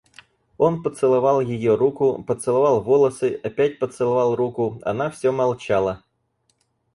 Он поцеловал ее руку, поцеловал волосы, опять поцеловал руку, — она всё молчала.